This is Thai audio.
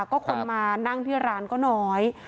ก็คนมานั่งที่ร้านก็น้อย